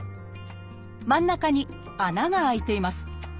真ん中に穴が開いています。